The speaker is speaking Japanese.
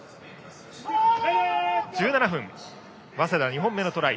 １７分、早稲田２本目のトライ。